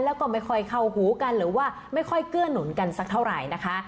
แล้วก็ไม่ค่อยเข้าหูกันหรือว่าไม่ค่อยเกื้อหนุนกันสักเท่าไหร่นะคะ